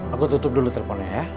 aku tutup dulu teleponnya ya